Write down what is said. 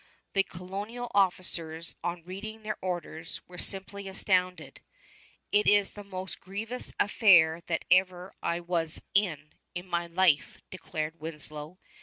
The colonial officers, on reading the orders, were simply astounded. "It is the most grievous affair that ever I was in, in my life," declared Winslow.